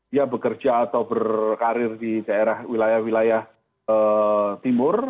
dia bekerja atau berkarir di daerah wilayah wilayah timur